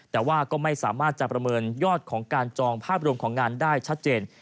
แต่ว่าก็ไม่สามารถจะประเมินยอดของการจองภาพรวมของงานได้ชัดเจน